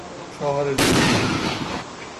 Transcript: چاره جوئی